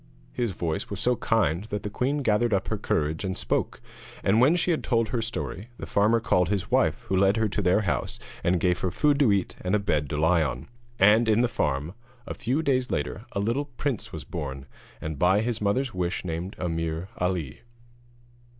His voice was so kind that the queen gathered up her courage and spoke. And when she had told her story, the farmer called his wife, who led her to their house, and gave her food to eat, and a bed to lie on. And in the farm, a few days later, a little prince was born, and by his mother's wish named Ameer Ali.